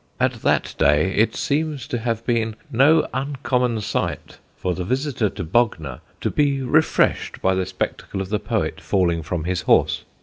At that day it seems to have been no uncommon sight for the visitor to Bognor to be refreshed by the spectacle of the poet falling from his horse.